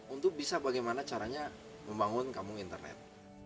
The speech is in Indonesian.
untuk bisa bagaimana caranya membangun kampung internet